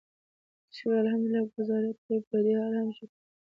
شکر الحمدلله ګوزاره کوي، پدې حال هم شکر دی.